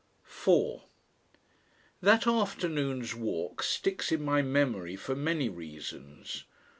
4 That afternoon's walk sticks in my memory for many reasons.